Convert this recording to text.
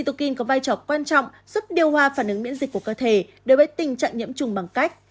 tokin có vai trò quan trọng giúp điều hòa phản ứng miễn dịch của cơ thể đối với tình trạng nhiễm trùng bằng cách